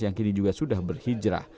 yang kini juga sudah berhijrah